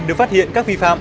để phát hiện các vi phạm